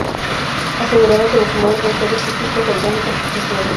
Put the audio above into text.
Aseguraba que los humanos son seres psíquicos, orgánicos y sociales.